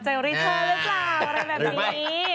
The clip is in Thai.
อ๋อจะรีบโทรหรือเปล่าอะไรแบบนี้